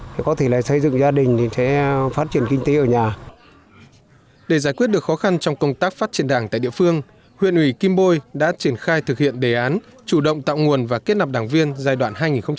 để giải quyết được khó khăn trong công tác phát triển đảng tại địa phương huyện ủy kim bôi đã triển khai thực hiện đề án chủ động tạo nguồn và kết nạp đảng viên giai đoạn hai nghìn một mươi năm hai nghìn hai mươi